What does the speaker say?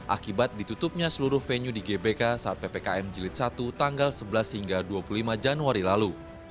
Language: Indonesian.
akibat ditutupnya seluruh venue di gbk saat ppkm jilid satu tanggal sebelas hingga dua puluh lima januari lalu